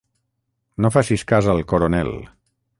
No facis cas al Coronel.